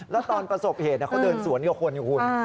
แล้วตอนประสบเหตุเขาเดินสวนกับคนอยู่คุณ